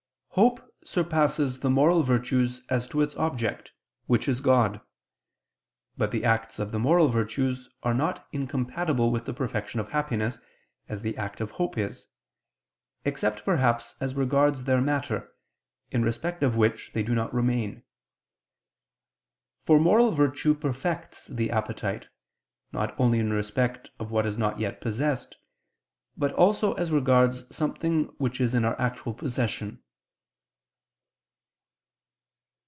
1: Hope surpasses the moral virtues as to its object, which is God. But the acts of the moral virtues are not incompatible with the perfection of happiness, as the act of hope is; except perhaps, as regards their matter, in respect of which they do not remain. For moral virtue perfects the appetite, not only in respect of what is not yet possessed, but also as regards something which is in our actual possession.